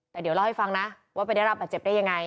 แต่เดี๋ยวเล่าให้ฟังนะว่าไปได้รับบาดเจ็บได้ยังไง